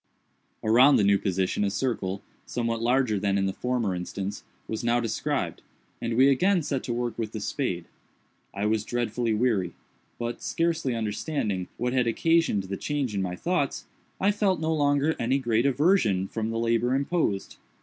Around the new position a circle, somewhat larger than in the former instance, was now described, and we again set to work with the spades. I was dreadfully weary, but, scarcely understanding what had occasioned the change in my thoughts, I felt no longer any great aversion from the labor imposed.